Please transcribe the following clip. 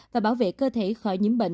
và bảo vệ cơ thể khỏi nhiễm bệnh